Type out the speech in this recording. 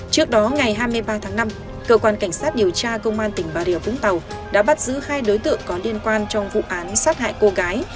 trước đó ngày hai mươi ba tháng năm cơ quan cảnh sát điều tra công an tỉnh bà rịa vũng tàu đã bắt giữ hai đối tượng có liên quan trong vụ án sát hại cô gái